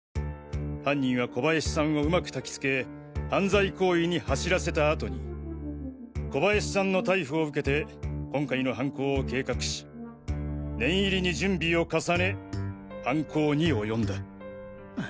犯人は小林さんをうまく焚き付け犯罪行為に走らせた後に小林さんの逮捕を受けて今回の犯行を計画し念入りに準備を重ね犯行に及んだ。